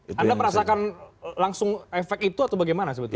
anda merasakan langsung efek itu atau bagaimana sebetulnya